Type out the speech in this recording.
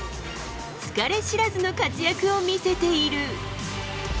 疲れ知らずの活躍を見せている。